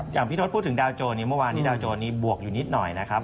อย่างพี่ทศพูดถึงดาวโจรเมื่อวานนี้ดาวโจรนี้บวกอยู่นิดหน่อยนะครับ